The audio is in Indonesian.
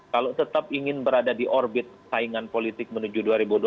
kalau tetap ingin berada di orbit saingan politik menuju dua ribu dua puluh